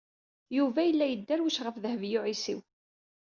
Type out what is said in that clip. Yuba yella yedderwec ɣef Dehbiya u Ɛisiw.